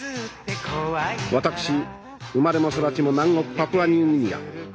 「私生まれも育ちも南国パプアニューギニア。